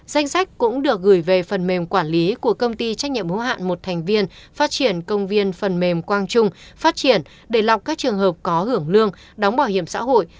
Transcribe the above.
danh sách cũng được gửi về phần mềm quản lý của công ty trách nhiệm hữu hạn một thành viên phát triển công viên phần mềm quang trung phát triển để lọc các trường hợp có hưởng lương đóng bảo hiểm xã hội